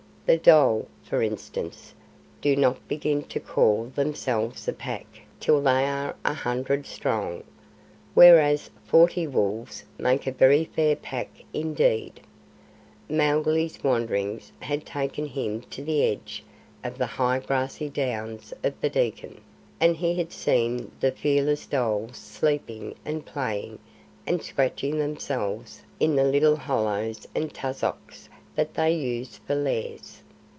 The dhole, for instance, do not begin to call themselves a pack till they are a hundred strong; whereas forty wolves make a very fair pack indeed. Mowgli's wanderings had taken him to the edge of the high grassy downs of the Dekkan, and he had seen the fearless dholes sleeping and playing and scratching themselves in the little hollows and tussocks that they use for lairs.